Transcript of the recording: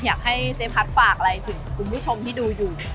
อยากให้เจ๊พัดฝากอะไรถึงคุณผู้ชมที่ดูอยู่